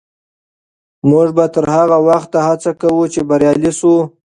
موږ به تر هغه وخته هڅه کوو چې بریالي سو.